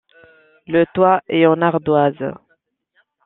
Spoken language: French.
Le toit est en ardoise.